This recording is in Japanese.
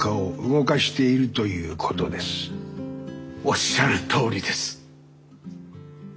おっしゃるとおりです。